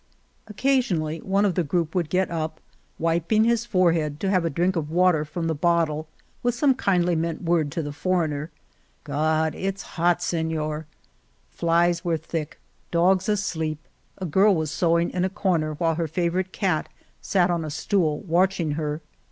Oc casionally one of the group would get up. Argamasilla wiping his forehead, to have a drink of water from the bottle, with some kindly meant word to the foreigner — "God, it's hot, Seiior !" Flies were thick, dogs asleep, a girl was sewing in a corner while her favor ite cat sat on a stool watching her.